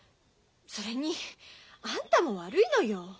それにあんたも悪いのよ。